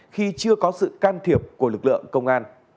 khi chưa có sự can thiệp của lực lượng công an